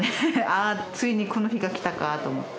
ああついにこの日が来たかと。